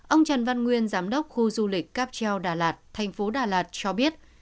ông trần văn nguyên giám đốc khu du lịch capgeo đà lạt tp đà lạt cho biết